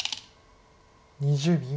２０秒。